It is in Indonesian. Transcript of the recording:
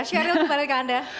sheryl kepada anda